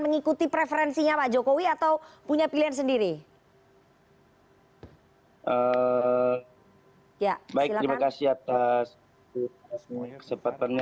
mengikuti preferensinya pak jokowi atau punya pilihan sendiri ya baik terima kasih atas semuanya kesempatannya